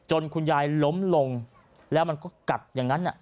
คุณยายล้มลงแล้วมันก็กัดอย่างนั้น